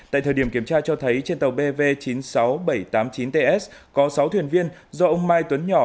tại thời điểm kiểm tra cho thấy trên tàu bv chín mươi sáu nghìn bảy trăm tám mươi chín ts có sáu thuyền viên do ông mai tuấn nhỏ